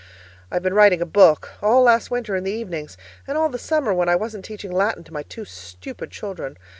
I've been writing a book, all last winter in the evenings, and all the summer when I wasn't teaching Latin to my two stupid children.